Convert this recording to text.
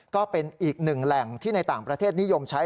ก็เป็นอีกหนึ่งแหล่งที่ในต่างประเทศนิยมใช้